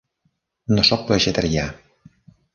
No soc vegetarià.